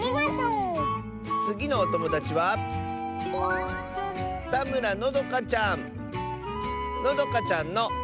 つぎのおともだちはのどかちゃんの。